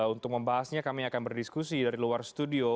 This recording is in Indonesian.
untuk membahasnya kami akan berdiskusi dari luar studio